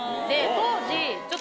当時。